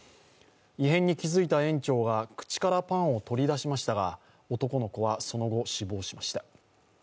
異変に気付いた園長が口からパンを取り出しましたが男の子はその後、死亡しました。